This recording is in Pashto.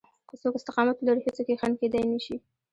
که څوک استقامت ولري هېڅوک يې خنډ کېدای نشي.